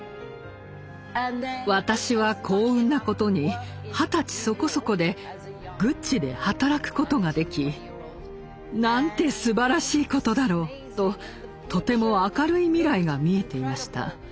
私は幸運なことに二十歳そこそこでグッチで働くことができなんてすばらしいことだろうととても明るい未来が見えていました。